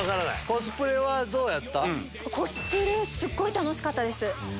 コスプレすごい楽しかったです。